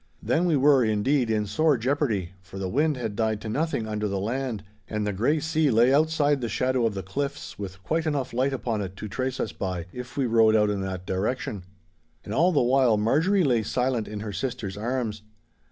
Then we were, indeed, in sore jeopardy, for the wind had died to nothing under the land, and the grey sea lay outside the shadow of the cliffs with quite enough light upon it to trace us by, if we rowed out in that direction. And all the while Marjorie lay silent in her sister's arms.